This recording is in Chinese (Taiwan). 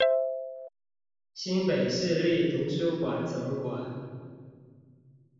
新北市立圖書館總館